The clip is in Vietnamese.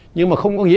nhưng mà không có nghĩa